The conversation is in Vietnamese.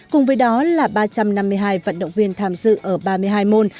cùng với đó là ba trăm năm mươi hai vận động viên tham dự ở ba mươi hai môn